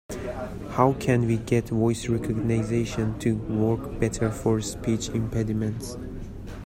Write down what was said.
How can we get voice recognition to work better for speech impediments?